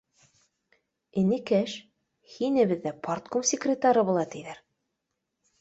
— Энекәш, һине беҙҙә парткум секретары була, тиҙәр